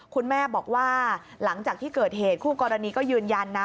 คุณแม่บอกว่าหลังจากที่เกิดเหตุคู่กรณีก็ยืนยันนะ